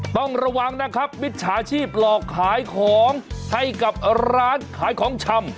ต้องระวังนะครับมิจฉาชีพหลอกขายของให้กับร้านขายของชำ